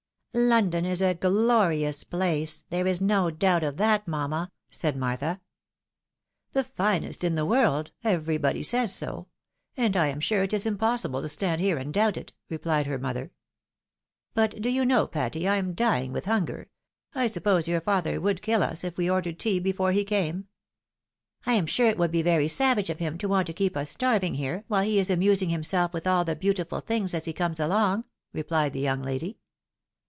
" London is a glorious place ; there is no doubt of that, mamma," said Martha. " The finest in the world — everybody says so ; and I am sure it is impossible to stand here and doubt it," replied her mother. " But do you know, Patty, I am dying with hunger. I suppose your father would kill tis if we ordered tea before he came." PAPA PACIFIED. 75 " I am sure it would be very savage of him to want to keep us starving here, while he is amusing himself with all the beautiful things as he comes along," replied the young lady.